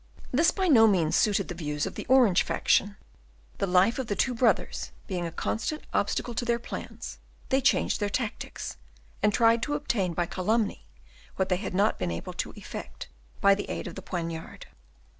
This by no means suited the views of the Orange faction. The life of the two brothers being a constant obstacle to their plans, they changed their tactics, and tried to obtain by calumny what they had not been able to effect by the aid of the poniard.